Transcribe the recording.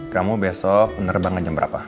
kamu besok penerbangan jam berapa